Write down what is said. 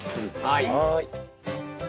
はい。